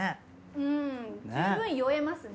うん十分酔えますね。